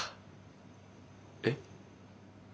えっ？